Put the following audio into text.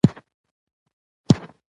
ایا ستاسو اراده به نه ماتیږي؟